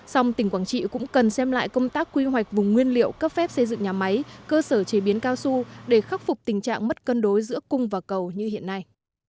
song tỉnh quảng trị cũng cần xem lại công tác quy hoạch vùng nguyên liệu cấp phép xây dựng nhà máy cơ sở chế biến cao su để khắc phục tình trạng mất cân đối giữa cung và cầu như hiện nay